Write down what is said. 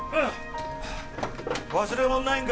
忘れ物ないんか？